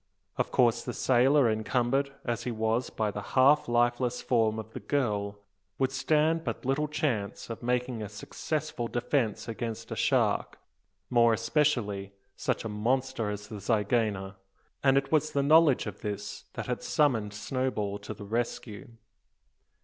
Of course, the sailor, encumbered as he was by the half lifeless form of the girl, would stand but little chance of making a successful defence against a shark, more especially such a monster as the zygaena; and it was the knowledge of this that had summoned Snowball to the rescue.